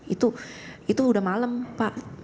itu itu udah malam pak